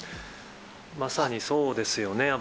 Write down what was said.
まさにそうですよね。